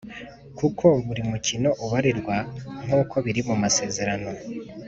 kuko buri mukino ubarirwa nk’uko biri mu masezerano.